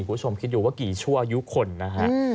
คุณผู้ชมคิดอยู่ว่ากี่ชั่วยุคคลนะฮะ